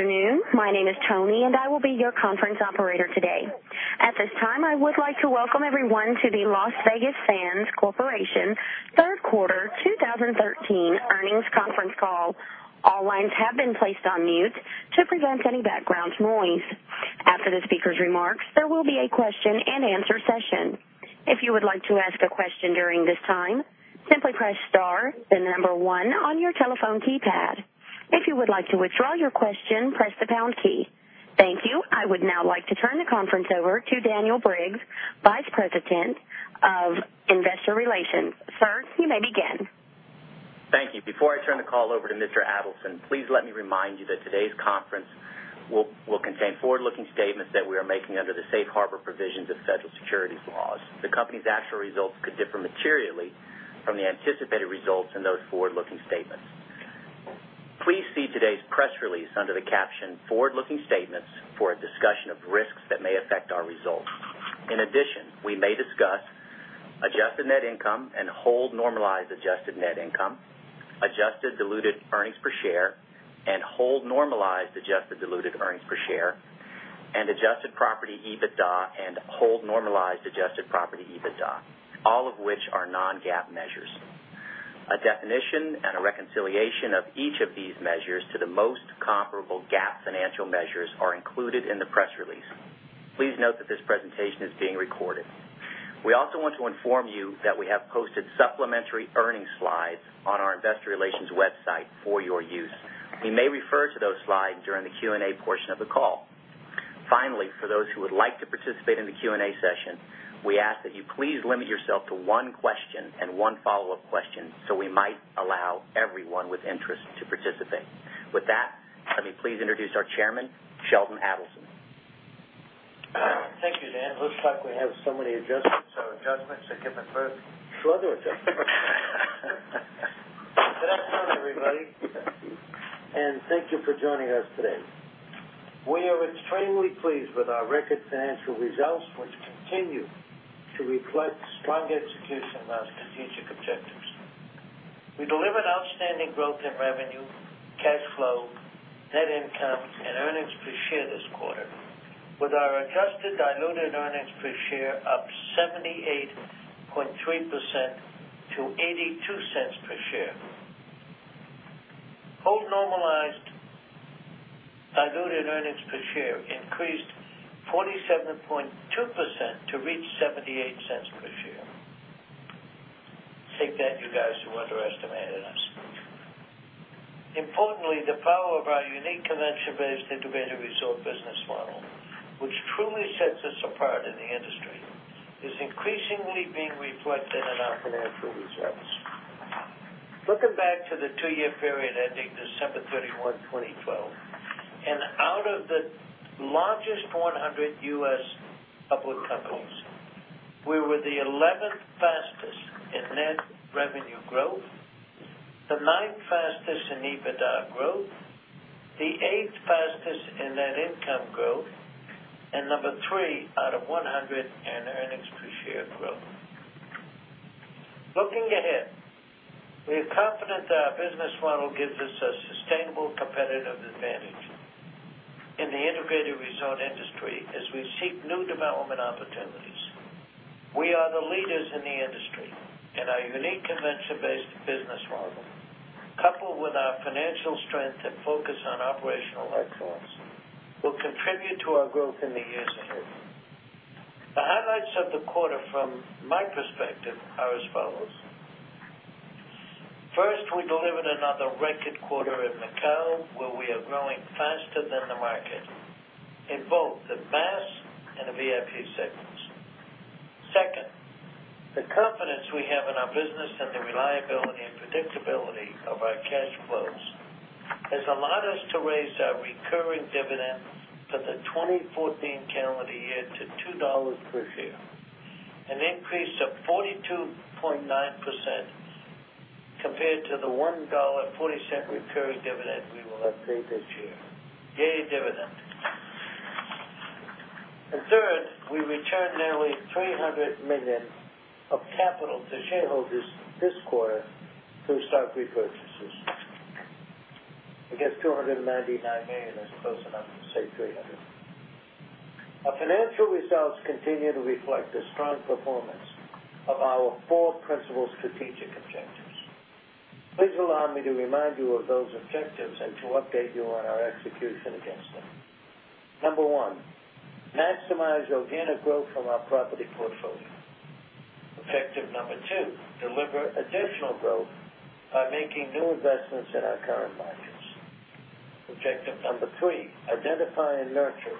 Good afternoon. My name is Toni, and I will be your conference operator today. At this time, I would like to welcome everyone to the Las Vegas Sands Corp. third quarter 2013 earnings conference call. All lines have been placed on mute to prevent any background noise. After the speaker's remarks, there will be a question-and-answer session. If you would like to ask a question during this time, simply press star, then 1 on your telephone keypad. If you would like to withdraw your question, press the pound key. Thank you. I would now like to turn the conference over to Daniel Briggs, Vice President of Investor Relations. Sir, you may begin. Thank you. Before I turn the call over to Mr. Adelson, please let me remind you that today's conference will contain forward-looking statements that we are making under the safe harbor provisions of federal securities laws. The company's actual results could differ materially from the anticipated results in those forward-looking statements. Please see today's press release under the caption forward-looking statements for a discussion of risks that may affect our results. In addition, we may discuss adjusted net income and hold normalized adjusted net income, adjusted diluted earnings per share and hold normalized adjusted diluted earnings per share, and adjusted property EBITDA and hold normalized adjusted property EBITDA, all of which are non-GAAP measures. A definition and a reconciliation of each of these measures to the most comparable GAAP financial measures are included in the press release. Please note that this presentation is being recorded. We also want to inform you that we have posted supplementary earnings slides on our investor relations website for your use. We may refer to those slides during the Q&A portion of the call. Finally, for those who would like to participate in the Q&A session, we ask that you please limit yourself to one question and one follow-up question so we might allow everyone with interest to participate. With that, let me please introduce our Chairman, Sheldon Adelson. Thank you, Dan. Looks like we have so many adjustments. Our adjustments are getting worse. Further adjustments. Good afternoon, everybody, and thank you for joining us today. We are extremely pleased with our record financial results, which continue to reflect strong execution of our strategic objectives. We delivered outstanding growth in revenue, cash flow, net income, and earnings per share this quarter with our adjusted diluted earnings per share up 78.3% to $0.82 per share. Hold normalized diluted earnings per share increased 47.2% to reach $0.78 per share. Take that, you guys who underestimated us. Importantly, the power of our unique convention-based integrated resort business model, which truly sets us apart in the industry, is increasingly being reflected in our financial results. Looking back to the two-year period ending December 31, 2012, out of the largest 100 U.S. public companies, we were the 11th fastest in net revenue growth, the ninth fastest in EBITDA growth, the eighth fastest in net income growth, and number 3 out of 100 in earnings per share growth. Looking ahead, we are confident that our business model gives us a sustainable competitive advantage in the integrated resort industry as we seek new development opportunities. We are the leaders in the industry, and our unique convention-based business model, coupled with our financial strength and focus on operational excellence, will contribute to our growth in the years ahead. The highlights of the quarter from my perspective are as follows. First, we delivered another record quarter in Macau, where we are growing faster than the market in both the mass and the VIP segments. Second, the confidence we have in our business and the reliability and predictability of our cash flows has allowed us to raise our recurring dividend for the 2014 calendar year to $2 per share, an increase of 42.9% compared to the $1.40 recurring dividend we will have paid this year. Yay, dividend. Third, we returned nearly $300 million of capital to shareholders this quarter through stock repurchases. I guess $299 million is close enough to say $300. Our financial results continue to reflect the strong performance of our four principal strategic objectives. Please allow me to remind you of those objectives and to update you on our execution against them. Number 1, maximize organic growth from our property portfolio. Objective number 2, deliver additional growth by making new investments in our current markets. Objective number three, identify and nurture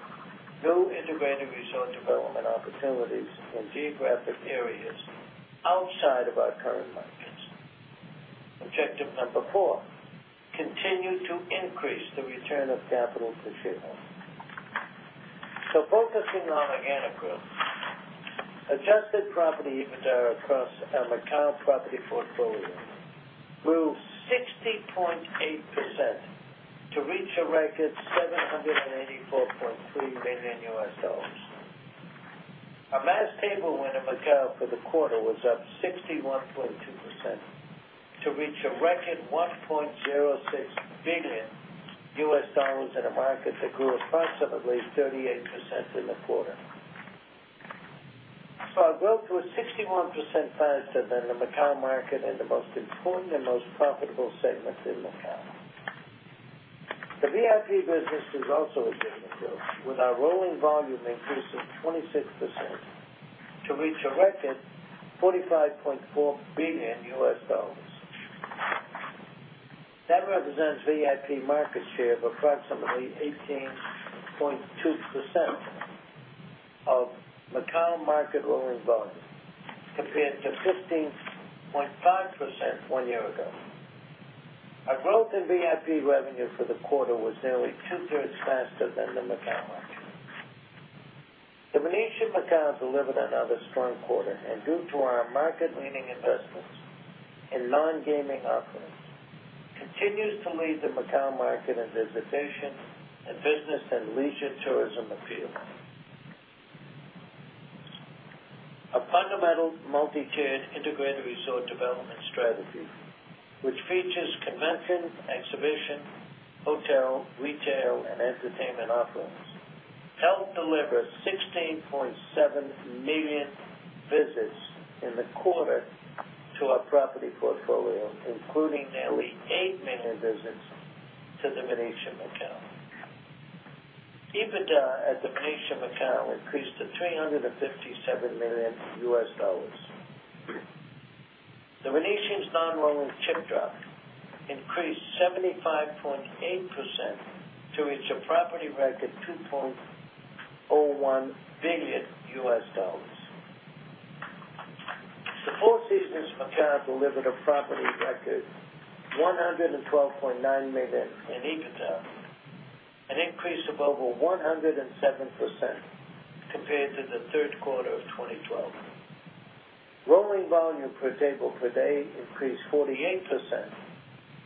new integrated resort development opportunities in geographic areas outside of our current markets. Objective number four, continue to increase the return of capital to shareholders. Focusing on organic growth, adjusted property EBITDA across our Macao property portfolio grew 60.8% to reach a record $7 million. Our mass table win in Macao for the quarter was up 61.2% to reach a record $1.06 billion in a market that grew approximately 38% in the quarter. Our growth was 61% faster than the Macao market in the most important and most profitable segment in Macao. The VIP business is also a given field, with our rolling volume increasing 26% to reach a record $45.4 billion. That represents VIP market share of approximately 18.2% of Macao market rolling volume, compared to 15.5% one year ago. Our growth in VIP revenue for the quarter was nearly two-thirds faster than the Macao market. The Venetian Macao delivered another strong quarter, and due to our market-leading investments in non-gaming offerings, continues to lead the Macao market in visitation and business and leisure tourism appeal. Our fundamental multi-tiered integrated resort development strategy, which features convention, exhibition, hotel, retail, and entertainment offerings, helped deliver 16.7 million visits in the quarter to our property portfolio, including nearly 8 million visits to The Venetian Macao. EBITDA at The Venetian Macao increased to $357 million. The Venetian's non-rolling chip drop increased 75.8% to reach a property record $2.01 billion. The Four Seasons Macao delivered a property record $112.9 million in EBITDA, an increase of over 107% compared to the third quarter of 2012. Rolling volume per table per day increased 48%,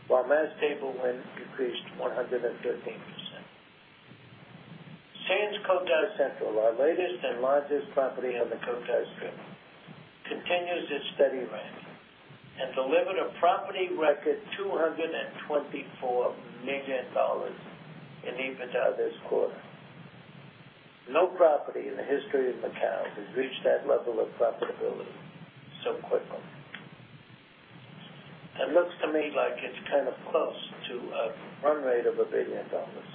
while mass table win increased 113%. Sands Cotai Central, our latest and largest property on the Cotai Strip, continues its steady rise and delivered a property record $224 million in EBITDA this quarter. No property in the history of Macao has reached that level of profitability so quickly. It looks to me like it's close to a run rate of a billion dollars.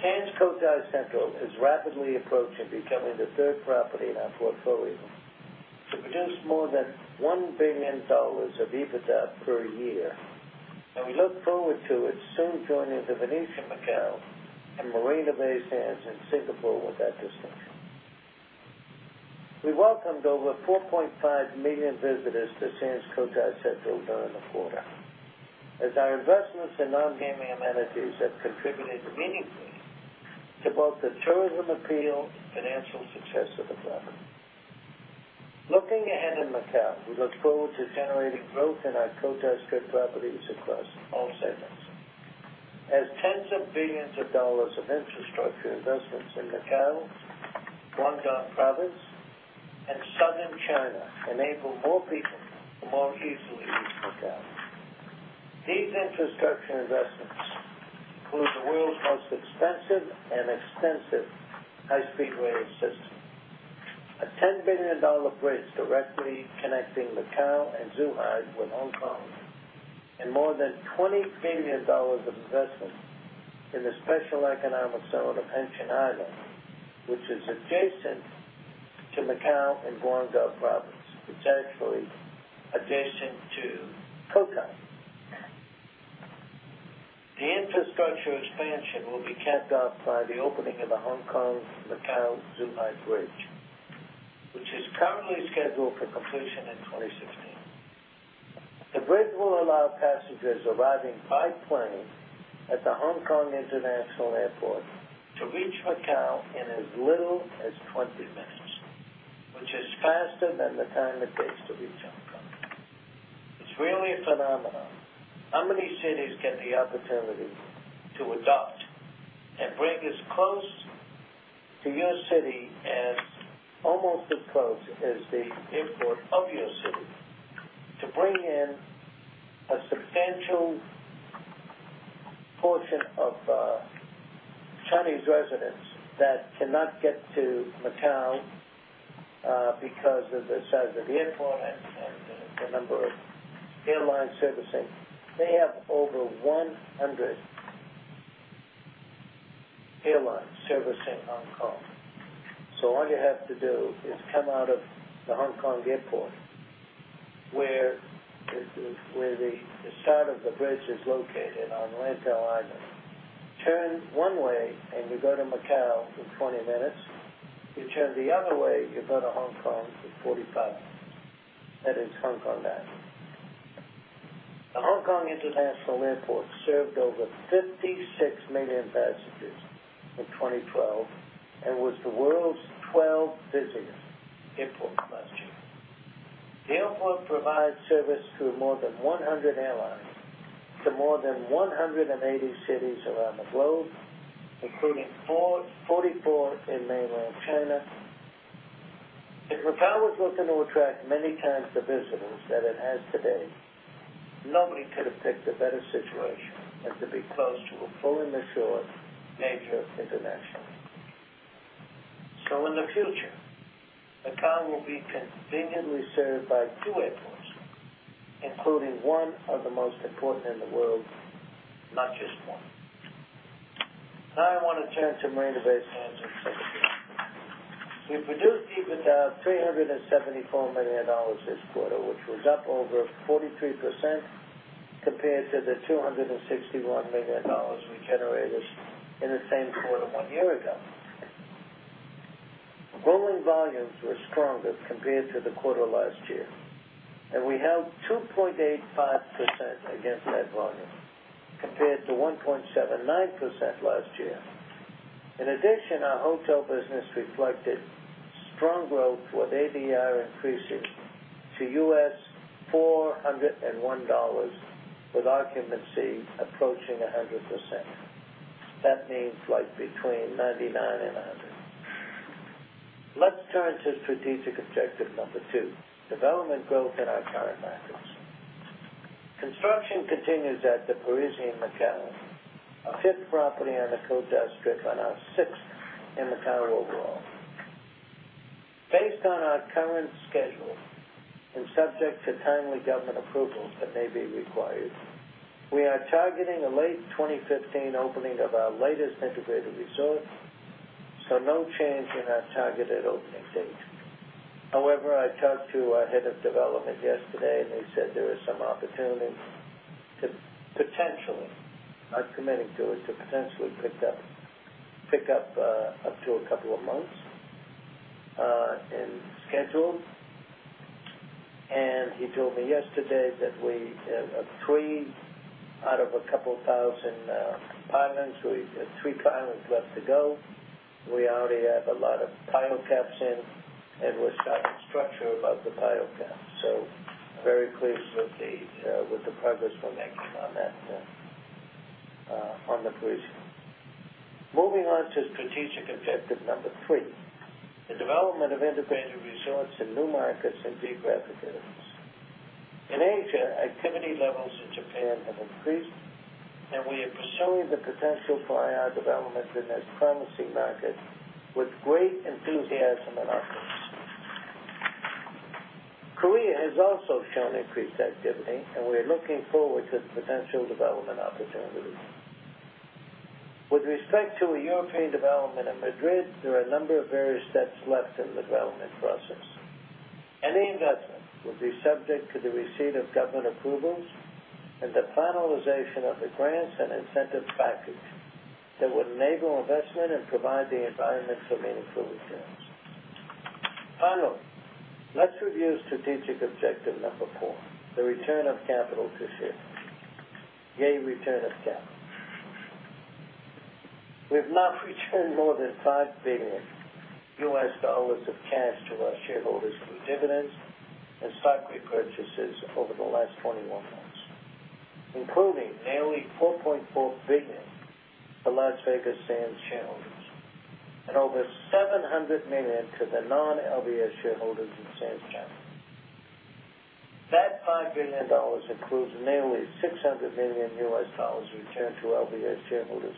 Sands Cotai Central is rapidly approaching becoming the third property in our portfolio to produce more than $1 billion of EBITDA per year, and we look forward to it soon joining The Venetian Macao and Marina Bay Sands in Singapore with that distinction. We welcomed over 4.5 million visitors to Sands Cotai Central during the quarter, as our investments in non-gaming amenities have contributed meaningfully to both the tourism appeal and financial success of the property. Looking ahead in Macao, we look forward to generating growth in our Cotai Strip properties across all segments. As tens of billions of dollars of infrastructure investments in Macao, Guangdong Province, and Southern China enable more people to more easily reach Macao. These infrastructure investments include the world's most expensive and extensive high-speed rail system, a $10 billion bridge directly connecting Macao and Zhuhai with Hong Kong, and more than $20 billion of investment in the Special Economic Zone of Hengqin Island, which is adjacent to Macao in Guangdong Province. It's actually adjacent to Cotai. The infrastructure expansion will be capped off by the opening of the Hong Kong-Zhuhai-Macao bridge, which is currently scheduled for completion in 2016. The bridge will allow passengers arriving by plane at the Hong Kong International Airport to reach Macao in as little as 20 minutes, which is faster than the time it takes to reach Hong Kong. It's really a phenomenon. How many cities get the opportunity to adopt a bridge as close to your city as, almost as close as the airport of your city, to bring in a substantial portion of Chinese residents that cannot get to Macao because of the size of the airport and the number of airlines servicing. They have over 100 airlines servicing Hong Kong. All you have to do is come out of the Hong Kong airport, where the start of the bridge is located on Lantau Island. Turn one way and you go to Macao in 20 minutes. You turn the other way, you go to Hong Kong in 45 minutes. That is Hong Kong Island. The Hong Kong International Airport served over 56 million passengers in 2012 and was the world's 12th busiest airport. Macao provides service to more than 100 airlines to more than 180 cities around the globe, including 44 in mainland China. If Macao was looking to attract many times the visitors that it has today, nobody could have picked a better situation than to be close to a fully mature major international. In the future, Macao will be conveniently served by two airports, including one of the most important in the world, not just one. I want to turn to Marina Bay Sands in Singapore. We produced EBITDA of $374 million this quarter, which was up over 43% compared to the $261 million we generated in the same quarter one year ago. Rolling volumes were stronger compared to the quarter last year, and we held 2.85% against that volume compared to 1.79% last year. In addition, our hotel business reflected strong growth with ADR increasing to $401 with occupancy approaching 100%. That means between 99 and 100. Let's turn to strategic objective number two, development growth in our current markets. Construction continues at The Parisian Macao, our fifth property on the Cotai Strip and our sixth in Macao overall. Based on our current schedule, and subject to timely government approvals that may be required, we are targeting a late 2015 opening of our latest integrated resort, no change in our targeted opening date. However, I talked to our head of development yesterday, and they said there is some opportunity to potentially, not committing to it, to potentially pick up up to a couple of months in schedules. He told me yesterday that we have three out of a couple thousand pilings, so we have three pilings left to go. We already have a lot of pile caps in, and we're starting structure above the pile caps. I'm very pleased with the progress we're making on The Parisian. Moving on to strategic objective number three, the development of integrated resorts in new markets and geographic areas. In Asia, activity levels in Japan have increased, and we are pursuing the potential for IR development in this promising market with great enthusiasm and optimism. Korea has also shown increased activity, and we're looking forward to potential development opportunities. With respect to a European development in Madrid, there are a number of various steps left in the development process. Any investment would be subject to the receipt of government approvals and the finalization of the grants and incentive package that would enable investment and provide the environment for meaningful returns. Finally, let's review strategic objective number four, the return of capital to shareholders. Yay, return of capital. We've now returned more than $5 billion of cash to our shareholders through dividends and stock repurchases over the last 21 months, including nearly $4.4 billion to Las Vegas Sands shareholders and over $700 million to the non-LVS shareholders in Sands China. That $5 billion includes nearly $600 million returned to LVS shareholders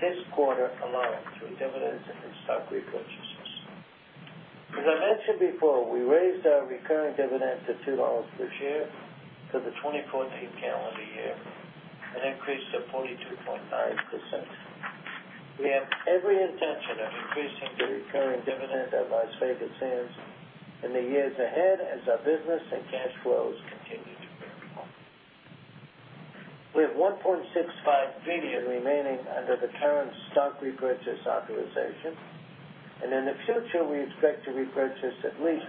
this quarter alone through dividends and stock repurchases. As I mentioned before, we raised our recurring dividend to $2 per share for the 2014 calendar year, an increase of 42.9%. We have every intention of increasing the recurring dividend at Las Vegas Sands in the years ahead as our business and cash flows continue to grow. We have $1.65 billion remaining under the current stock repurchase authorization. In the future, we expect to repurchase at least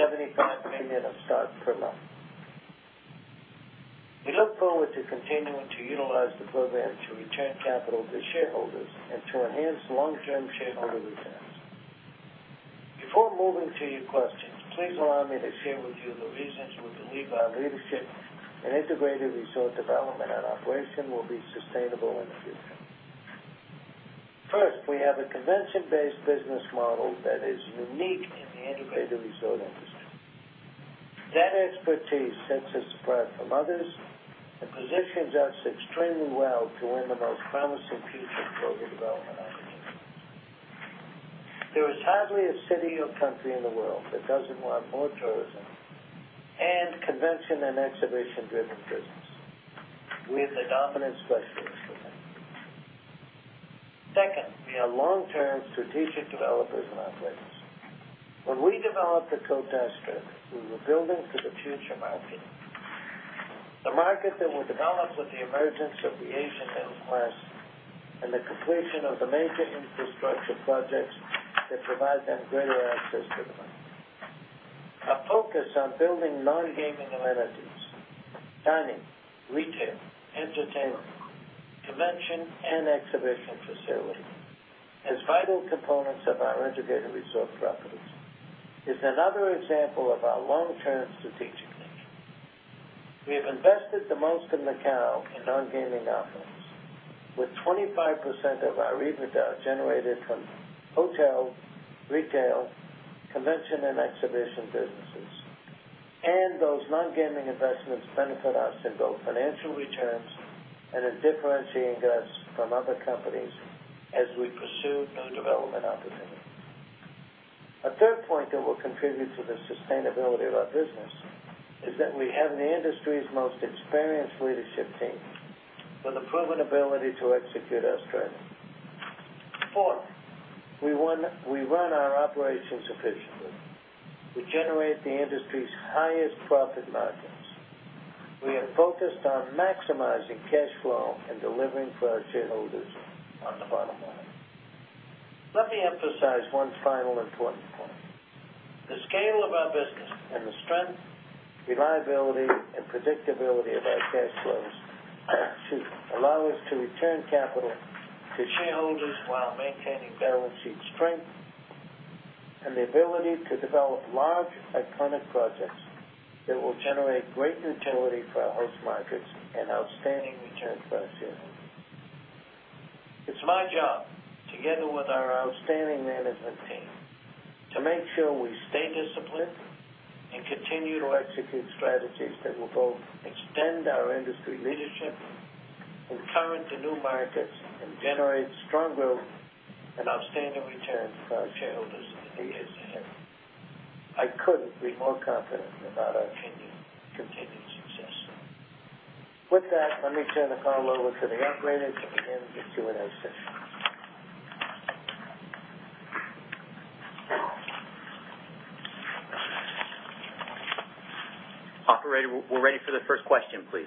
$75 million of stock per month. We look forward to continuing to utilize the program to return capital to shareholders and to enhance long-term shareholder returns. Before moving to your questions, please allow me to share with you the reasons we believe our leadership in integrated resort development and operation will be sustainable in the future. First, we have a convention-based business model that is unique in the integrated resort industry. That expertise sets us apart from others and positions us extremely well to win the most promising piece of global development opportunities. There is hardly a city or country in the world that doesn't want more tourism and convention and exhibition-driven business. We are the dominant specialists in that field. Second, we are long-term strategic developers and operators. When we developed the Cotai Strip, we were building to the future market, the market that would develop with the emergence of the Asian middle class and the completion of the major infrastructure projects that provide them greater access to the market. Our focus on building non-gaming amenities, dining, retail, entertainment Convention and exhibition facilities as vital components of our integrated resort properties is another example of our long-term strategic nature. We have invested the most in Macao in non-gaming offerings, with 25% of our EBITDA generated from hotel, retail, convention, and exhibition businesses. Those non-gaming investments benefit us in both financial returns and in differentiating us from other companies as we pursue new development opportunities. A third point that will contribute to the sustainability of our business is that we have the industry's most experienced leadership team with a proven ability to execute our strategy. Fourth, we run our operations efficiently. We generate the industry's highest profit margins. We are focused on maximizing cash flow and delivering for our shareholders on the bottom line. Let me emphasize one final important point. The scale of our business and the strength, reliability, and predictability of our cash flows allow us to return capital to shareholders while maintaining balance sheet strength and the ability to develop large, iconic projects that will generate great utility for our host markets and outstanding returns for our shareholders. It's my job, together with our outstanding management team, to make sure we stay disciplined and continue to execute strategies that will both extend our industry leadership, enter into new markets, and generate strong growth and outstanding returns for our shareholders in the years ahead. I couldn't be more confident about our continued success. With that, let me turn the call over to the operator to begin the Q&A session. Operator, we're ready for the first question, please.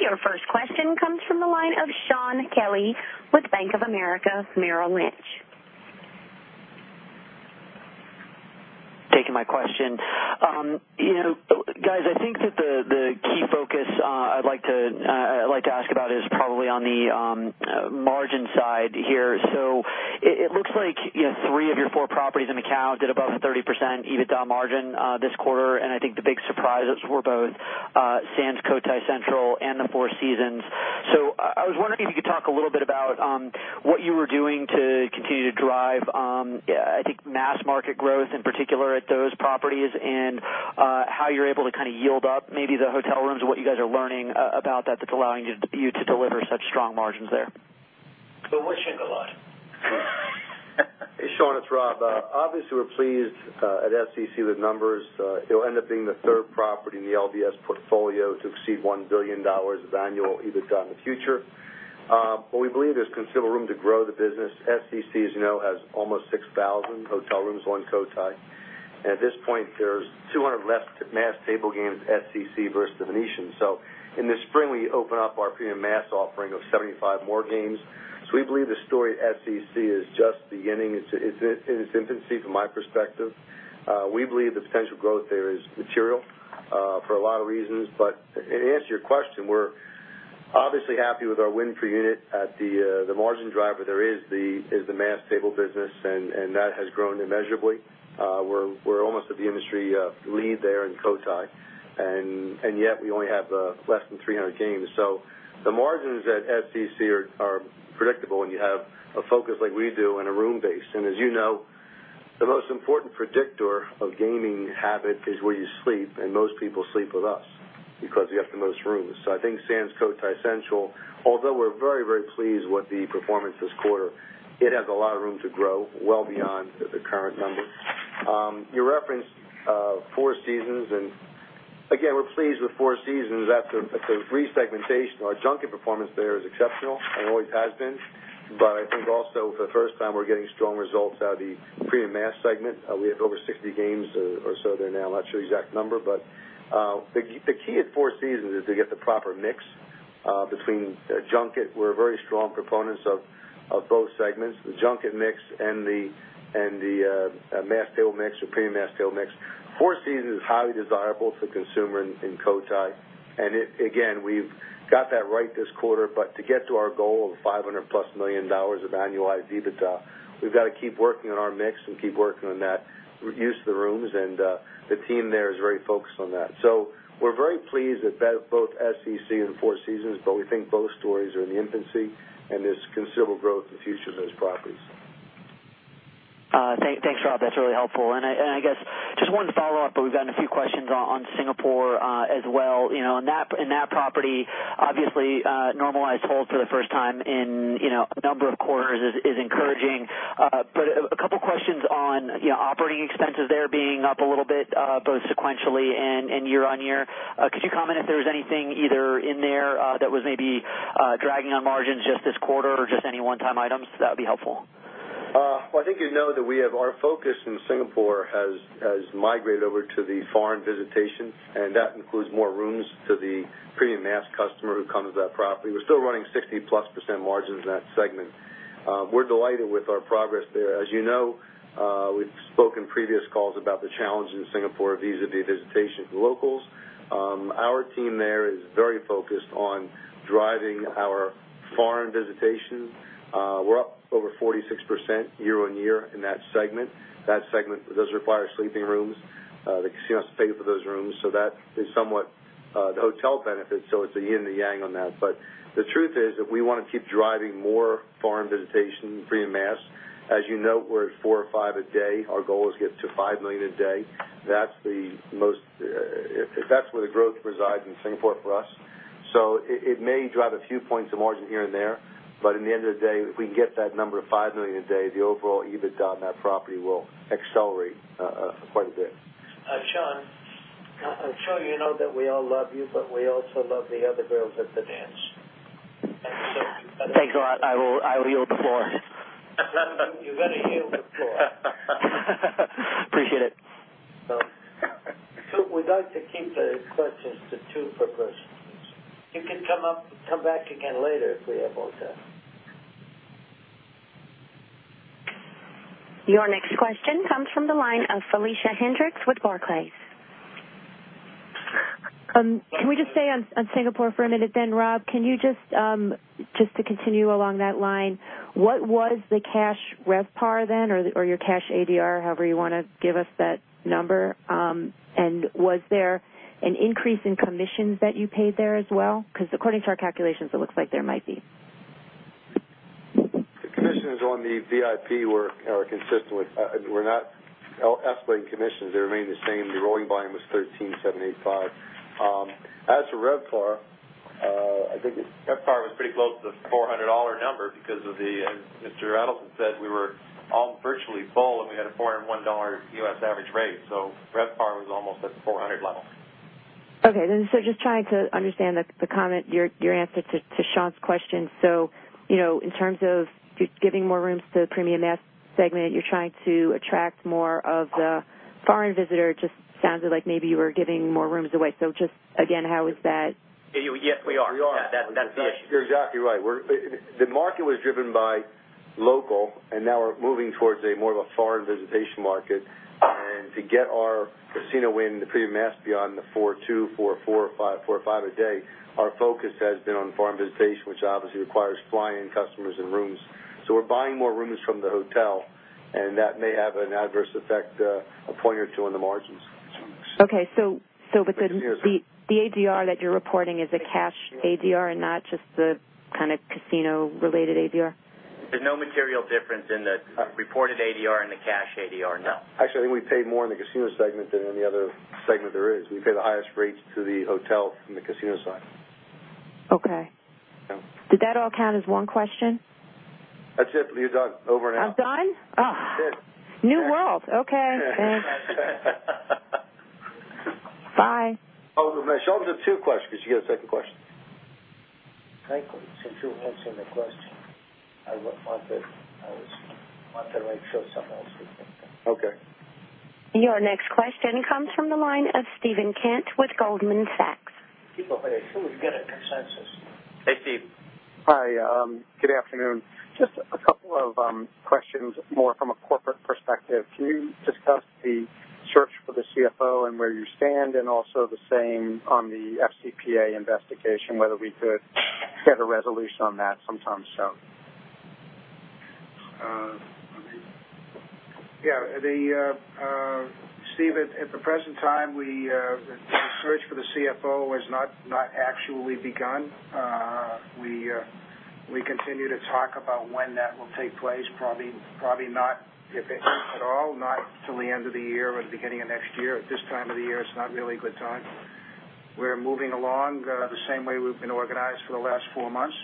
Your first question comes from the line of Shaun Kelley with Bank of America Merrill Lynch. Thank you. Guys, I think that the key focus I'd like to ask about is probably on the margin side here. It looks like three of your four properties in Macao did above a 30% EBITDA margin this quarter, and I think the big surprises were both Sands Cotai Central and the Four Seasons. I was wondering if you could talk a little bit about what you were doing to continue to drive mass market growth, in particular at those properties, and how you're able to yield up maybe the hotel rooms and what you guys are learning about that's allowing you to deliver such strong margins there. Well, where should I go? Hey, Shaun, it's Rob. Obviously, we're pleased at SCC with the numbers. It'll end up being the third property in the LVS portfolio to exceed $1 billion of annual EBITDA in the future. We believe there's considerable room to grow the business. SCC, as you know, has almost 6,000 hotel rooms on Cotai, and at this point, there's 200 less mass table games at SCC versus The Venetian. In the spring, we open up our premium mass offering of 75 more games. We believe the story at SCC is just beginning. It's in its infancy from my perspective. We believe the potential growth there is material for a lot of reasons. To answer your question, we're obviously happy with our win per unit. The margin driver there is the mass table business, and that has grown immeasurably. We're almost at the industry lead there in Cotai, and yet we only have less than 300 games. The margins at SCC are predictable when you have a focus like we do and a room base. As you know, the most important predictor of gaming habit is where you sleep, and most people sleep with us because we have the most rooms. I think Sands Cotai Central, although we're very pleased with the performance this quarter, it has a lot of room to grow well beyond the current numbers. You referenced Four Seasons, and again, we're pleased with Four Seasons after resegmentation. Our junket performance there is exceptional and always has been. I think also for the first time, we're getting strong results out of the premium mass segment. We have over 60 games or so there now. I'm not sure the exact number. The key at Four Seasons is to get the proper mix between junket. We're very strong proponents of both segments, the junket mix and the mass table mix or premium mass table mix. Four Seasons is highly desirable to consumers in Cotai. Again, we've got that right this quarter. To get to our goal of $500-plus million of annualized EBITDA, we've got to keep working on our mix and keep working on that use of the rooms, and the team there is very focused on that. We're very pleased with both SCC and Four Seasons, but we think both stories are in the infancy, and there's considerable growth in the future of those properties. Thanks, Rob. I guess just wanted to follow up, we've gotten a few questions on Singapore as well. In that property, obviously, normalized hold for the first time in a number of quarters is encouraging. A couple of questions on operating expenses there being up a little bit both sequentially and year-over-year. Could you comment if there was anything either in there that was maybe dragging on margins just this quarter or just any one-time items? That would be helpful. Well, I think you know that our focus in Singapore has migrated over to the foreign visitation, that includes more rooms to the premium mass customer who comes to that property. We're still running 60%+ margins in that segment. We're delighted with our progress there. As you know, we've spoken previous calls about the challenge in Singapore vis-à-vis visitation from locals. Our team there is very focused on driving our foreign visitation. We're up over 46% year-over-year in that segment. That segment does require sleeping rooms. The casino has to pay for those rooms. That is somewhat the hotel benefit. It's a yin and a yang on that. The truth is that we want to keep driving more foreign visitation, premium mass. As you note, we're at four or five a day. Our goal is to get to 5 million a day. That's where the growth resides in Singapore for us. It may drive a few points of margin here and there, in the end of the day, if we can get that number to 5 million a day, the overall EBITDA on that property will accelerate quite a bit. Shaun, I'm sure you know that we all love you, we also love the other girls at the dance. Thanks a lot. I will yield the floor. You better yield the floor. Appreciate it. We'd like to keep the questions to two per person, please. You can come back again later if we have more time. Your next question comes from the line of Felicia Hendrix with Barclays. Can we just stay on Singapore for a minute then, Rob? Just to continue along that line, what was the cash RevPAR then, or your cash ADR, however you want to give us that number? Was there an increase in commissions that you paid there as well? According to our calculations, it looks like there might be. The commissions on the VIP were consistent with. We're not escalating commissions. They remain the same. The rolling volume was $1,378.5. As for RevPAR, I think RevPAR was pretty close to the $400 number because as Mr. Adelson said, we were all virtually full and we had a $401 U.S. average rate. RevPAR was almost at the 400 level. Just trying to understand the comment, your answer to Shaun's question. In terms of giving more rooms to the premium mass segment, you're trying to attract more of the foreign visitor. It just sounded like maybe you were giving more rooms away. Just again, how is that? Yes, we are. We are. That's the issue. You're exactly right. The market was driven by local. Now we're moving towards more of a foreign visitation market. To get our casino win, the premium mass beyond the $42, $44, $45 a day, our focus has been on foreign visitation, which obviously requires fly-in customers and rooms. We're buying more rooms from the hotel, and that may have an adverse effect, a point or two on the margins. The ADR that you're reporting is a cash ADR and not just the kind of casino-related ADR? There's no material difference in the reported ADR and the cash ADR, no. Actually, I think we pay more in the casino segment than any other segment there is. We pay the highest rates to the hotel from the casino side. Okay. Yeah. Did that all count as one question? That's it, Felicia. Done. Over and out. I'm done? Oh. Yes. New world. Okay, thanks. Bye. Oh, Sheldon, two questions. You get a second question. Thank you. Since you're answering the question, I want to make sure someone else gets in there. Okay. Your next question comes from the line of Steven Kent with Goldman Sachs. Keep okay. We get a consensus. Hey, Steve. Hi, good afternoon. Just a couple of questions, more from a corporate perspective. Can you discuss the search for the CFO and where you stand? Also the same on the FCPA investigation, whether we could get a resolution on that sometime soon. Yeah. Steve, at the present time, the search for the CFO has not actually begun. We continue to talk about when that will take place. Probably not, if at all, not till the end of the year or the beginning of next year. At this time of the year, it's not really a good time. We are moving along the same way we have been organized for the last four months.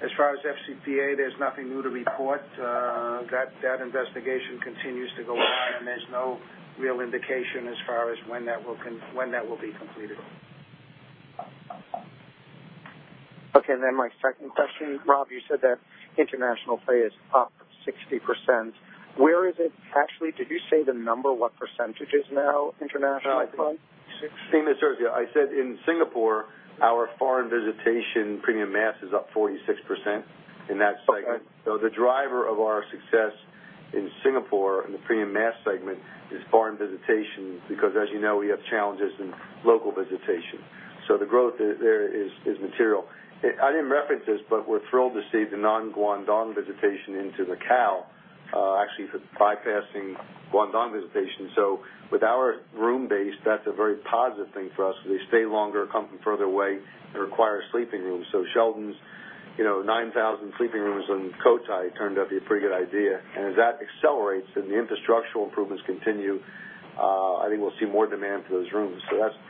As far as FCPA, there is nothing new to report. That investigation continues to go on, and there is no real indication as far as when that will be completed. Okay, my second question, Rob, you said that international play is up 60%. Where is it actually? Did you say the number, what percentage is now internationally from? I think that serves you. I said in Singapore, our foreign visitation premium mass is up 46% in that segment. Okay. The driver of our success in Singapore in the premium mass segment is foreign visitation because as you know, we have challenges in local visitation. The growth there is material. I didn't reference this, but we're thrilled to see the non-Guangdong visitation into Macao, actually bypassing Guangdong visitation. With our room base, that's a very positive thing for us because they stay longer, come from further away, and require sleeping rooms. Sheldon's 9,000 sleeping rooms in Cotai turned out to be a pretty good idea. As that accelerates and the infrastructural improvements continue, I think we'll see more demand for those rooms.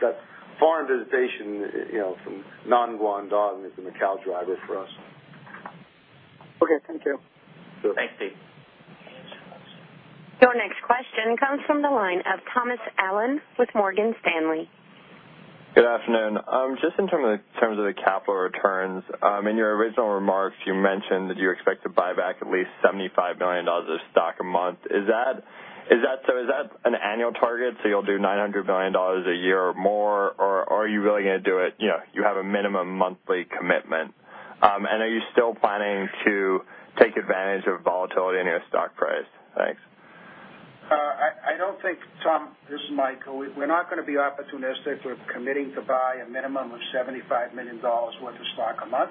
That foreign visitation from non-Guangdong is the Macao driver for us. Okay, thank you. Sure. Thanks, Steve. Your next question comes from the line of Thomas Allen with Morgan Stanley. Good afternoon. In terms of the capital returns, in your original remarks, you mentioned that you expect to buy back at least $75 million of stock a month. Is that an annual target, you'll do $900 million a year or more? Are you really going to do it, you have a minimum monthly commitment? Are you still planning to take advantage of volatility in your stock price? Thanks. Tom, this is Mike. We're not going to be opportunistic. We're committing to buy a minimum of $75 million worth of stock a month.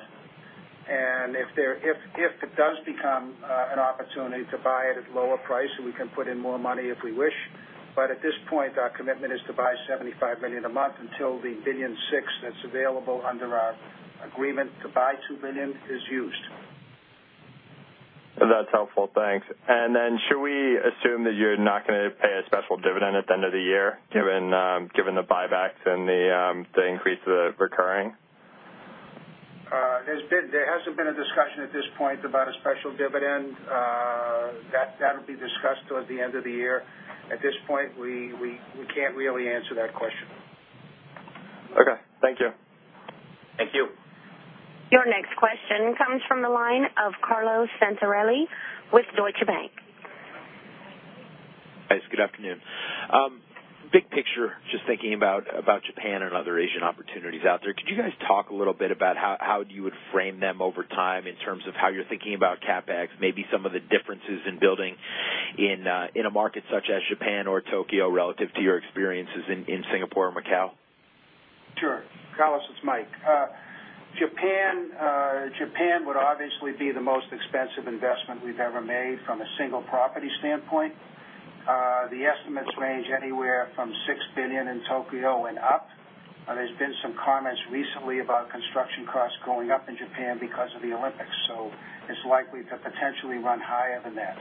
If it does become an opportunity to buy it at a lower price, we can put in more money if we wish. At this point, our commitment is to buy $75 million a month until the $1.6 billion that's available under our agreement to buy $2 billion is used. That's helpful. Thanks. Should we assume that you're not going to pay a special dividend at the end of the year, given the buybacks and the increase of the recurring? There hasn't been a discussion at this point about a special dividend. That'll be discussed toward the end of the year. At this point, we can't really answer that question. Okay. Thank you. Thank you. Your next question comes from the line of Carlo Santarelli with Deutsche Bank. Guys, good afternoon. Big picture, just thinking about Japan and other Asian opportunities out there, could you guys talk a little bit about how you would frame them over time in terms of how you're thinking about CapEx, maybe some of the differences in building in a market such as Japan or Tokyo relative to your experiences in Singapore or Macao? Sure. Carlo, it's Mike. Japan would obviously be the most expensive investment we've ever made from a single property standpoint. The estimates range anywhere from $6 billion in Tokyo and up. There's been some comments recently about construction costs going up in Japan because of the Olympics, so it's likely to potentially run higher than that.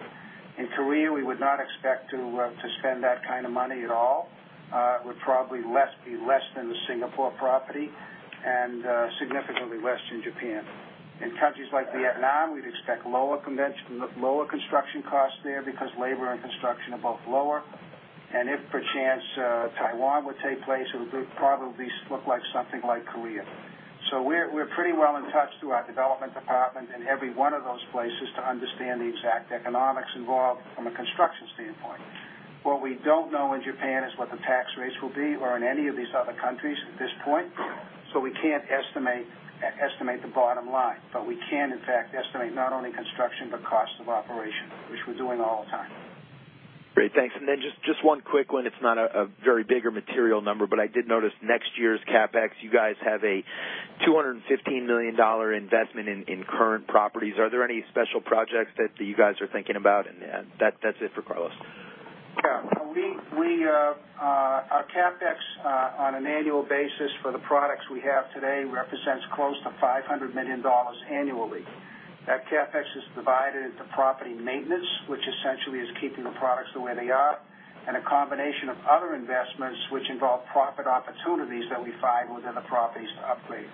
In Korea, we would not expect to spend that kind of money at all. It would probably be less than the Singapore property and significantly less than Japan. In countries like Vietnam, we'd expect lower construction costs there because labor and construction are both lower. If, perchance, Taiwan would take place, it would probably look like something like Korea. We're pretty well in touch through our development department in every one of those places to understand the exact economics involved from a construction standpoint. What we don't know in Japan is what the tax rates will be, or in any of these other countries at this point. We can't estimate the bottom line. We can, in fact, estimate not only construction, but cost of operation, which we're doing all the time. Great. Thanks. Just one quick one. It's not a very big or material number, but I did notice next year's CapEx, you guys have a $215 million investment in current properties. Are there any special projects that you guys are thinking about? That's it for Carlo. Yeah. Our CapEx on an annual basis for the products we have today represents close to $500 million annually. That CapEx is divided into property maintenance, which essentially is keeping the products the way they are, and a combination of other investments, which involve profit opportunities that we find within the properties to upgrade.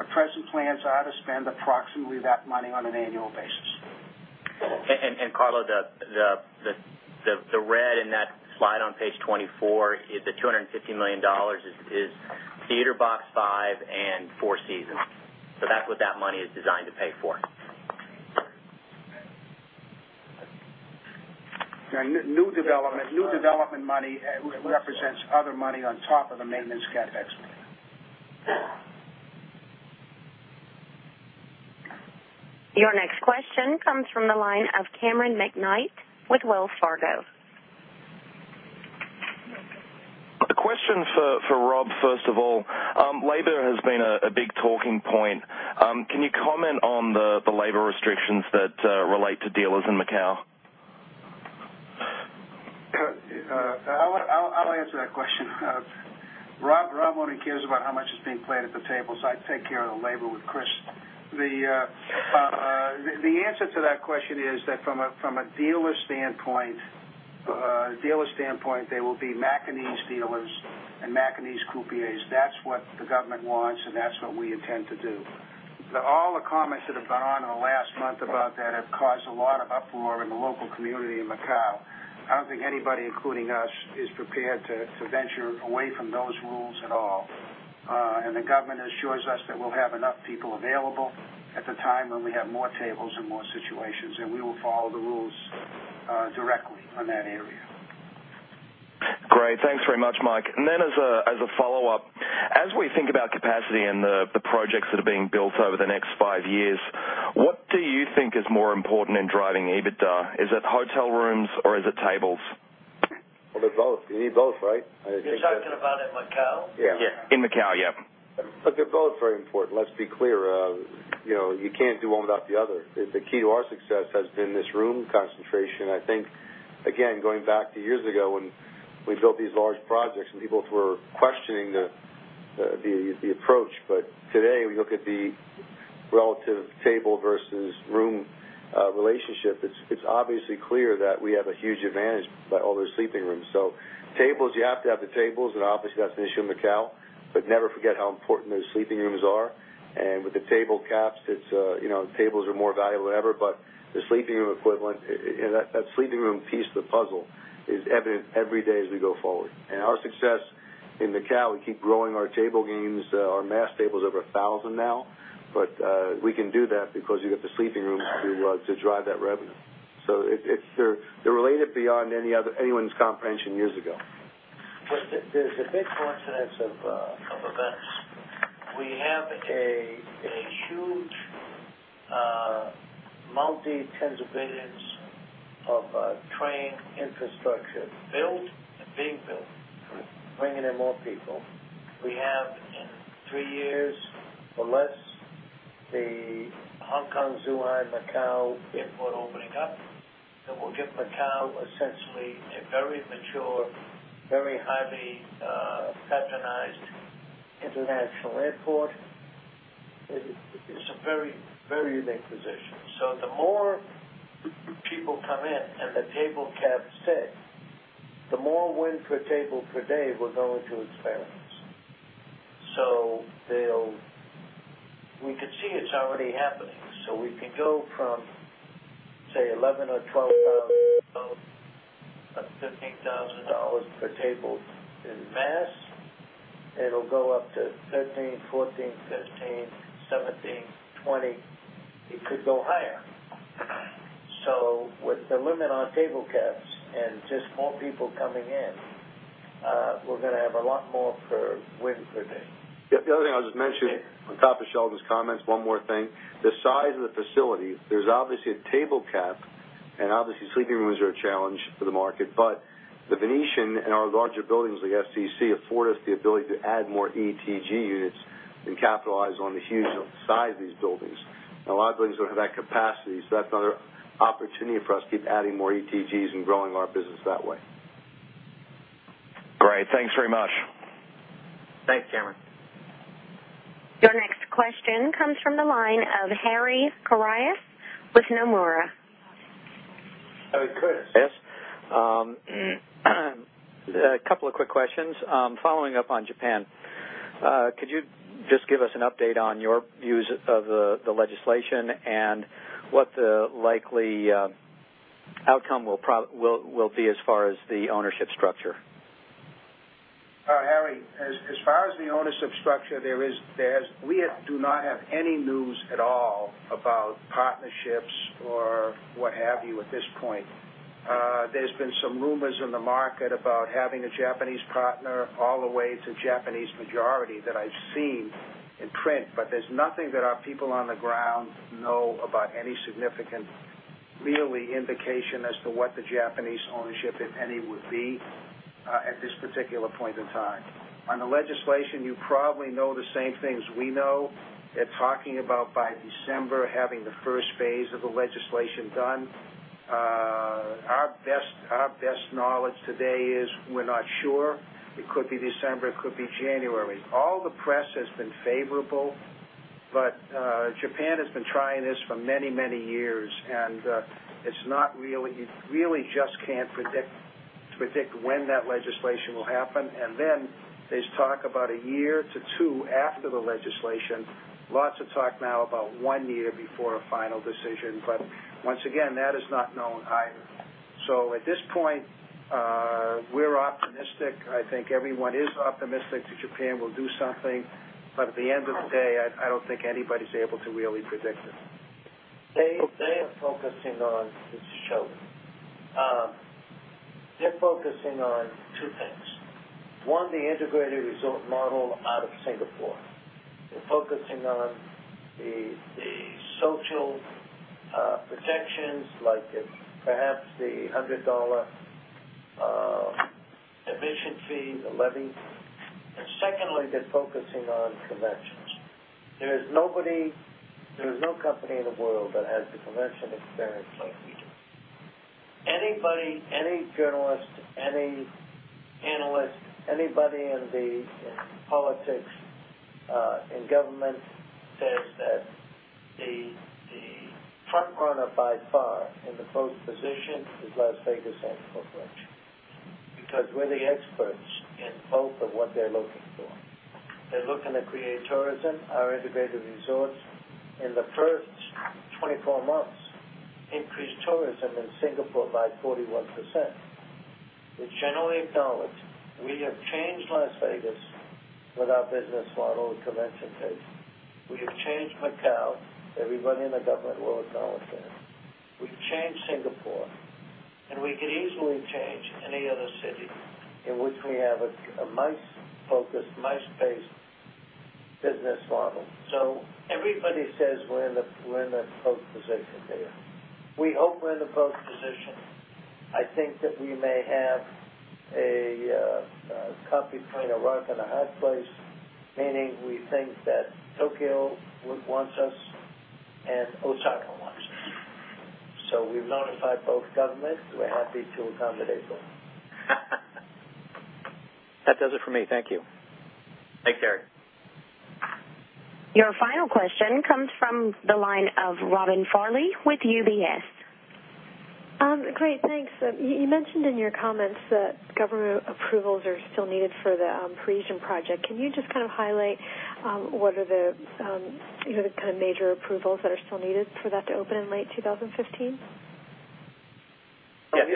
Our present plans are to spend approximately that money on an annual basis. Carlo, the red in that slide on page 24, the $250 million is Theater Box Five and Four Seasons. That's what that money is designed to pay for. Yeah. New development money represents other money on top of the maintenance CapEx. Your next question comes from the line of Cameron McKnight with Wells Fargo. A question for Rob, first of all. Labor has been a big talking point. Can you comment on the labor restrictions that relate to dealers in Macao? I'll answer that question. Rob only cares about how much is being played at the tables. I take care of the labor with Chris. The answer to that question is that from a dealer standpoint, they will be Macanese dealers and Macanese croupiers. That's what the government wants, and that's what we intend to do. All the comments that have gone on in the last month about that have caused a lot of uproar in the local community in Macao. I don't think anybody, including us, is prepared to venture away from those rules at all. The government assures us that we'll have enough people available at the time when we have more tables and more situations, and we will follow the rules directly on that area. Great. Thanks very much, Mike. Then as a follow-up, as we think about capacity and the projects that are being built over the next five years, what do you think is more important in driving EBITDA? Is it hotel rooms or is it tables? Well, they're both. You need both, right? You're talking about in Macao? Yeah. In Macao, yeah. Look, they're both very important. Let's be clear. You can't do one without the other. The key to our success has been this room concentration. I think, again, going back to years ago when we built these large projects and people were questioning the approach. Today, we look at the relative table versus room relationship, it's obviously clear that we have a huge advantage by all those sleeping rooms. Tables, you have to have the tables, and obviously that's an issue in Macao. Never forget how important those sleeping rooms are. With the table caps, tables are more valuable than ever. The sleeping room equivalent, that sleeping room piece of the puzzle is evident every day as we go forward. Our success In Macao, we keep growing our table games. Our mass table is over 1,000 now. We can do that because you've got the sleeping rooms to drive that revenue. They're related beyond anyone's comprehension years ago. There's a big coincidence of events. We have a huge, multi-tens of billions of train infrastructure built and being built, bringing in more people. We have, in three years or less, the Hong Kong-Zhuhai-Macao airport opening up that will give Macao essentially a very mature, very highly patronized international airport. It's a very unique position. The more people come in and the table caps stay, the more win per table per day we're going to experience. We can see it's already happening. We can go from, say, $11,000 or $12,000 or $15,000 per table in mass. It'll go up to $13,000, $14,000, $15,000, $17,000, $20,000. It could go higher. With the limit on table caps and just more people coming in, we're going to have a lot more win per day. Yep. The other thing I'll just mention on top of Sheldon's comments, one more thing. The size of the facility, there's obviously a table cap, and obviously sleeping rooms are a challenge for the market. The Venetian and our larger buildings like SCC afford us the ability to add more ETG units and capitalize on the huge size of these buildings. A lot of buildings don't have that capacity, so that's another opportunity for us to keep adding more ETGs and growing our business that way. Great. Thanks very much. Thanks, Cameron. Your next question comes from the line of Harry Curtis with Nomura. Harry Curtis. A couple of quick questions. Following up on Japan. Could you just give us an update on your views of the legislation and what the likely outcome will be as far as the ownership structure? Harry, as far as the ownership structure, we do not have any news at all about partnerships or what have you at this point. There's been some rumors in the market about having a Japanese partner all the way to Japanese majority that I've seen in print, but there's nothing that our people on the ground know about any significant, really indication as to what the Japanese ownership, if any, would be at this particular point in time. On the legislation, you probably know the same things we know. They're talking about by December, having the first phase of the legislation done. Our best knowledge today is we're not sure. It could be December, it could be January. All the press has been favorable, but Japan has been trying this for many, many years, and you really just can't predict when that legislation will happen. There's talk about a year to two after the legislation. Lots of talk now about one year before a final decision. Once again, that is not known either. At this point, we're optimistic. I think everyone is optimistic that Japan will do something. At the end of the day, I don't think anybody's able to really predict it. This is Sheldon. They're focusing on two things. One, the integrated resort model out of Singapore. They're focusing on the social protections, like perhaps the $100 admission fee, the levy. Secondly, they're focusing on conventions. There's no company in the world that has the convention experience like we do. Anybody, any journalist, any analyst, anybody in politics, in government says that the front-runner by far in the pole position is Las Vegas Sands Corp., because we're the experts in both of what they're looking for. They're looking to create tourism. Our integrated resorts in the first 24 months increased tourism in Singapore by 41%. It's generally acknowledged we have changed Las Vegas with our business model and convention pace. We have changed Macao. Everybody in the government will acknowledge that. We've changed Singapore, and we could easily change any other city in which we have a MICE-focused, MICE-paced business model. Everybody says we're in the pole position there. We hope we're in the pole position. I think that we may have a caught between a rock and a hard place, meaning we think that Tokyo wants us and Osaka wants us. We've notified both governments. We're happy to accommodate both. That does it for me. Thank you. Thanks, Harry. Your final question comes from the line of Robin Farley with UBS. Great, thanks. You mentioned in your comments that government approvals are still needed for the Parisian project. Can you just highlight what are the major approvals that are still needed for that to open in late 2015? Yeah.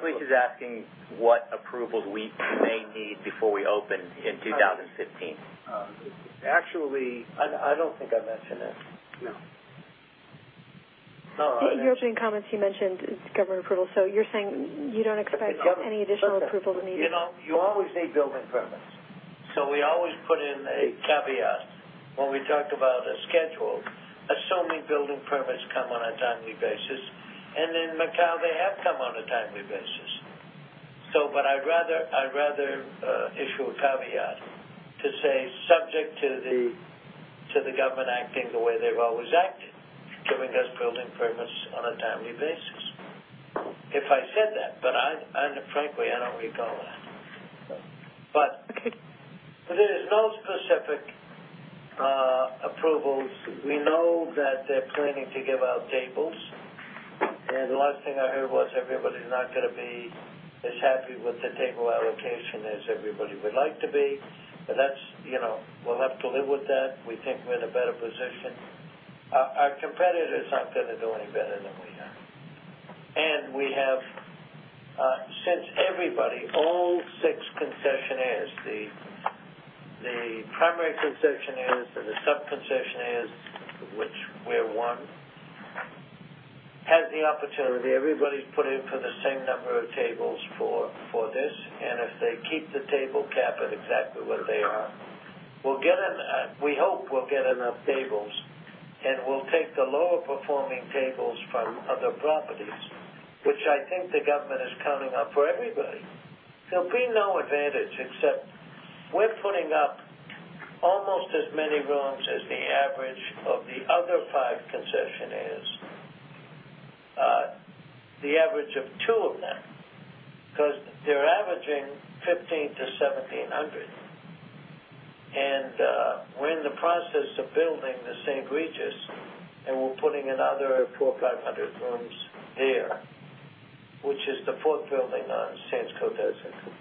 Felicia's asking what approvals we may need before we open in 2015. Actually, I don't think I mentioned this. No. In your opening comments, you mentioned government approval. You're saying you don't expect any additional approvals are needed? You always need building permits. We always put in a caveat when we talk about a schedule, assuming building permits come on a timely basis. In Macao, they have come on a timely basis. I'd rather issue a caveat to say subject to the government acting the way they've always acted, giving us building permits on a timely basis. If I said that, frankly, I don't recall that. Okay. There is no specific approvals. We know that they're planning to give out tables, the last thing I heard was everybody's not going to be as happy with the table allocation as everybody would like to be. We'll have to live with that. We think we're in a better position. Our competitors are not going to do any better than we are. Since everybody, all six concessionaires, the primary concessionaires or the sub-concessionaires, which we're one, has the opportunity. Everybody's put in for the same number of tables for this, if they keep the table cap at exactly what they are, we hope we'll get enough tables, and we'll take the lower-performing tables from other properties, which I think the government is counting up for everybody. There'll be no advantage except we're putting up almost as many rooms as the average of the other five concessionaires. The average of two of them, because they're averaging 15 to 1,700. We're in the process of building the St. Regis, and we're putting another 400 or 500 rooms there, which is the fourth building on Sands Cotai Central.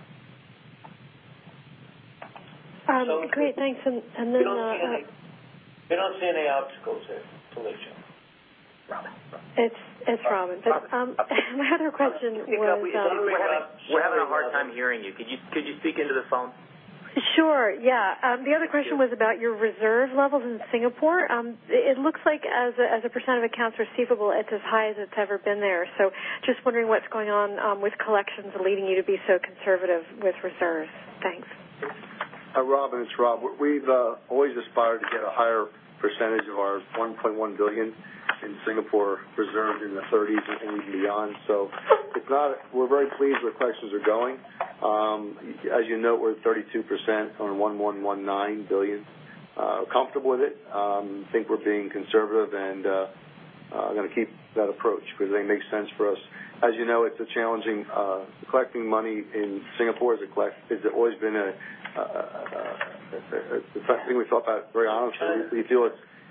Great, thanks. We don't see any obstacles there, Felicia. Robin. It's Robin. My other question was. We're having a hard time hearing you. Could you speak into the phone? Sure, yeah. The other question was about your reserve levels in Singapore. It looks like as a percent of accounts receivable, it's as high as it's ever been there. Just wondering what's going on with collections leading you to be so conservative with reserves. Thanks. Rob, it's Rob. We've always aspired to get a higher percentage of our $1.1 billion in Singapore reserved in the 30s and beyond. We're very pleased with collections are going. As you note, we're at 32% on $1.119 billion. Comfortable with it. Think we're being conservative, and going to keep that approach because I think it makes sense for us. As you know, it's challenging collecting money in Singapore. It's always been a thing we talk about very honestly. We feel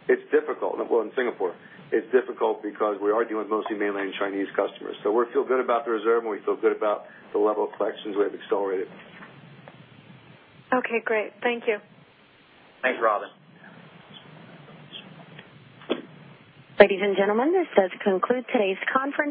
it's difficult in Singapore. It's difficult because we are dealing with mostly mainland Chinese customers. We feel good about the reserve, and we feel good about the level of collections we have accelerated. Okay, great. Thank you. Thanks, Robin. Ladies and gentlemen, this does conclude today's conference.